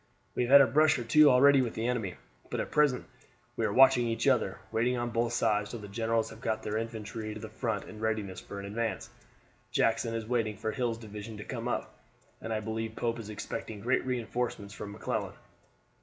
We have had a brush or two already with the enemy; but at present we are watching each other, waiting on both sides till the generals have got their infantry to the front in readiness for an advance. Jackson is waiting for Hill's division to come up, and I believe Pope is expecting great reinforcements from McClellan."